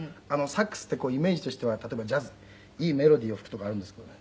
サックスってイメージとしては例えばジャズいいメロディーを吹くとかあるんですけどね